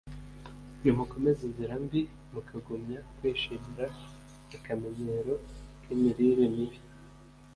nimukomeza inzira mbi, mukagumya kwishimira akamenyero k'imirire mibi